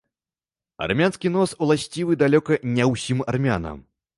Армянскі нос уласцівы далёка не ўсім армянам.